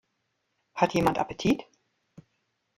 Hat jemand Appetit?